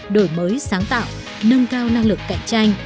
đổi mới sáng tạo nâng cao năng lực cạnh tranh